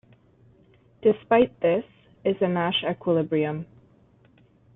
Despite this, is a Nash equilibrium.